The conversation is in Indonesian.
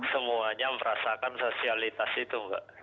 semuanya merasakan sosialitas itu mbak